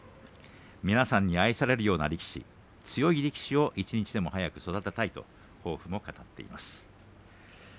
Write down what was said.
皆さんに愛されるような力士強い力士を一日でも早く育てたい抱負を語っていました。